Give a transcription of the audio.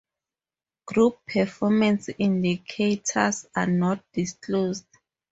Group performance indicators are not disclosed.